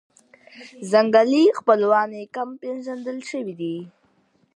ځنګلي خپلوان یې کم پېژندل شوي دي.